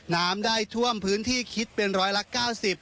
น้ำได้ท่วมพื้นที่คิดเป็นร้อยละ๙๐